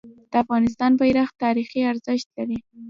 د افغانستان بیرغ تاریخي ارزښت لري.